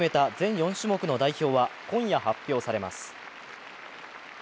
４種目の代表は今夜発表されます。